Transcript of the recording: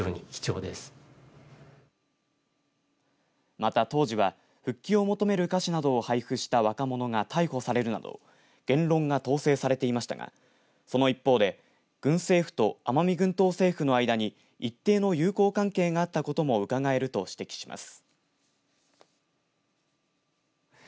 また、当時は復帰を求める歌詞などを配布した若者が逮捕されるなど言論が統制されていましたがその一方で軍政府と奄美群島政府の間に一定の友好関係があったこともうかがえると指摘します。